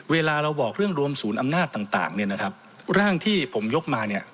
เวลาเราบอกเรื่องรวมศูนย์อำนาจต่างเนี่ยนะครับร่างที่ผมยกมาเนี่ย